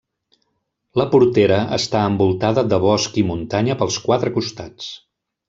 La Portera està envoltada de bosc i muntanya pels quatre costats.